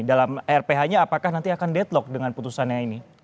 dalam rph nya apakah nanti akan deadlock dengan putusannya ini